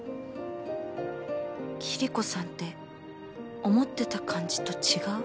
キリコさんって思ってた感じと違う？